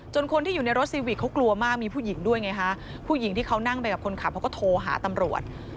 คนที่อยู่ในรถซีวิกเขากลัวมากมีผู้หญิงด้วยไงฮะผู้หญิงที่เขานั่งไปกับคนขับเขาก็โทรหาตำรวจ